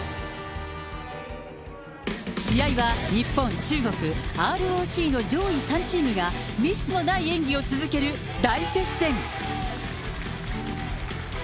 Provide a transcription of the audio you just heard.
試合は日本、中国、ＲＯＣの上位３チームが、ミスのない演技を続ける大接戦。